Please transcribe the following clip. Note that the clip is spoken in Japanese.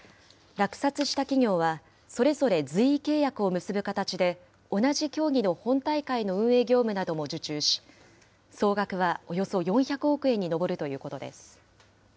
落札した企業は、それぞれ随意契約を結ぶ形で、同じ競技の本大会の運営業務なども受注し、総額はおよそ４００億円に上るということです。